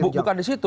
bukan di situ